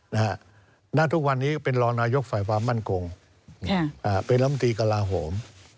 ณทุกวันนี้เป็นรองนายกฝ่ายความมั่นคงเป็นลำตีกระลาโหม